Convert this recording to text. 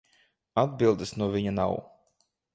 Atbildes no viņa nav.